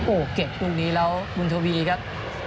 โอ้โหเก็บลูกนี้แล้วบุญทวีครับ